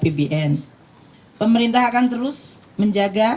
pemerintah akan mencari pemerintah yang lebih kecil dan yang lebih kecil yang lebih kecil